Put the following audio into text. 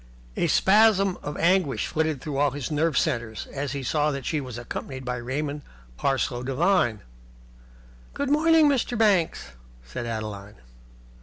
A spasm of anguish flitted through all his nerve centres as he saw that she was accompanied by Raymond Parsloe Devine. "Good morning, Mr. Banks," said Adeline.